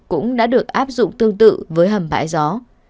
cũng đã được áp dụng tương tự với hầm bãi gió